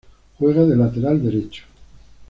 Juega de lateral Derecho.